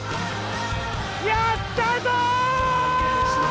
やったぞ！